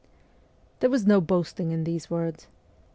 There was no boasting in these words.